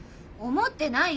思ってない！